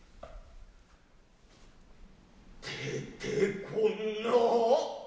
出てこんな。